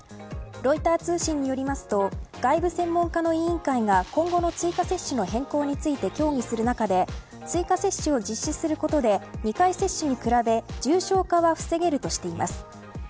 ロイター通信によりますと外部専門家の委員会が今後の追加接種の変更について協議する中で追加接種を実施することで２回接種に比べ重症化は防げるとしています。